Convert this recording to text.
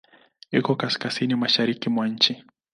Iko Kaskazini mashariki mwa nchi.